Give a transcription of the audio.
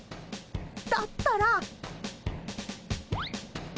だったら。